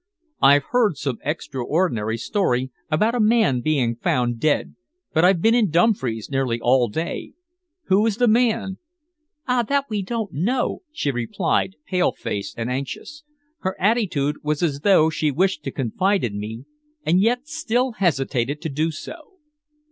"I've heard some extraordinary story about a man being found dead, but I've been in Dumfries nearly all day. Who is the man?" "Ah! that we don't know," she replied, pale faced and anxious. Her attitude was as though she wished to confide in me and yet still hesitated to do so.